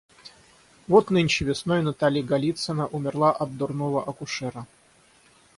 Вот нынче весной Натали Голицына умерла от дурного акушера.